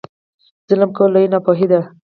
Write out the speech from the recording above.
ظلم کول لویه ناپوهي ده.